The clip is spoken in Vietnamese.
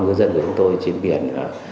ngư dân của chúng tôi trên biển